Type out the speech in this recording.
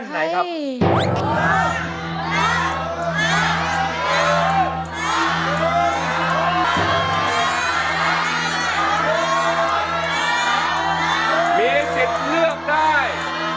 มีสิทธิ์เลือกได้